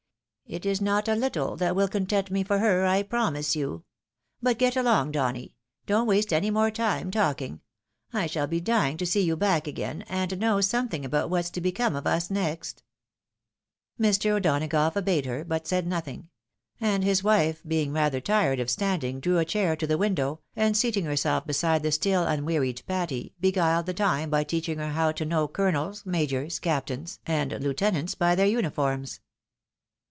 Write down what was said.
" It is not a httle that wiU content me for her, I promise you. But get along, Donny, don't waste any more time talking — I shall be dying to see you back again, and know something about what's to become of us next," Mr. O'Donagough obeyed her, but said nothing; and his wife being rather tired of standing, drew a chair to the window, and seating herself beside the still unwearied Patty, beguiled the time by teaching her how to know colonels, majors, captains, and lieutenants, by their uniforms.